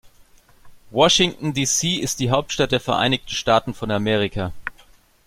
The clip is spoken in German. Washington, D.C. ist die Hauptstadt der Vereinigten Staaten von Amerika.